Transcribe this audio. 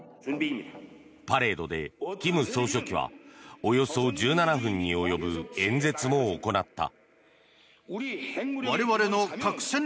パレードで金総書記はおよそ１７分に及ぶ演説も行った。